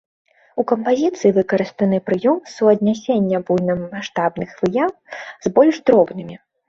У кампазіцыі выкарыстаны прыём суаднясення буйнамаштабных выяў з больш дробнымі.